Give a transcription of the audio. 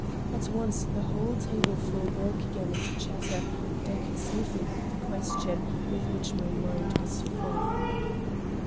At once the whole tableful broke again into chatter, and I could safely put the question with which my mind was full.